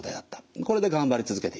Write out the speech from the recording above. これで頑張り続けていた。